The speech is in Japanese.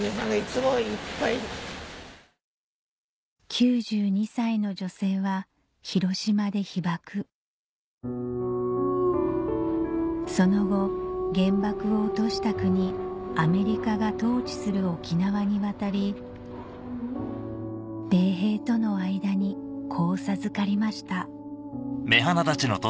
９２歳の女性は広島で被爆その後原爆を落とした国アメリカが統治する沖縄に渡り米兵との間に子を授かりました